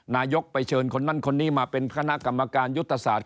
นายกไปเชิญคนนั้นคนนี้มาเป็นคณะกรรมการยุทธศาสตร์